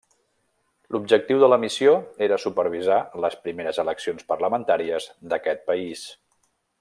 L'objectiu de la missió era supervisar les primeres eleccions parlamentàries d'aquest país.